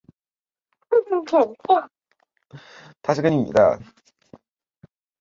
濑见温泉车站是一个仅设有一座侧式月台一条乘车线的小型车站。